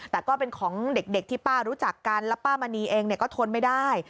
แต่ก็เป็นของเด็กที่ป้ารู้จักกันแล้วป้ามณีเองก็ทนไม่ได้